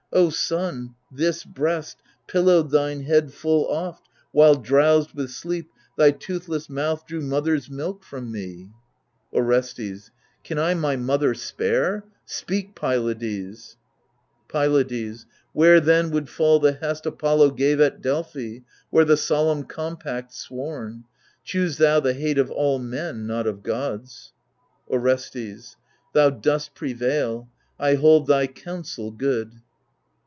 O son, this breast Pillowed thine head full oft, while, drowsed with sleep, Thy toothless mouth drew mother's milk from me. THE LIBATIONBEARERS 123 Orestes Can I my mother spare ? speak, Pylades. Pylades Where then would fall the hest Apollo gave At Delphi, where the solemn compact sworn ? Choose thou the hate of all men, not of gods. Orestes Thou dost prevail ; I hold thy counsel good.